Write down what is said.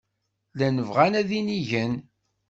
Llan bɣan ad inigen.